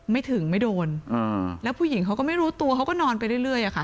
ไม่ถึงไม่โดนอ่าแล้วผู้หญิงเขาก็ไม่รู้ตัวเขาก็นอนไปเรื่อยอะค่ะ